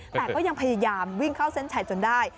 แต่ก็ยังพยายามวิ่งเข้าเส้นชัยจนได้